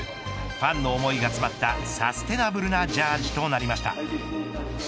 ファンの思いが詰まったサステナブルなジャージとなりました。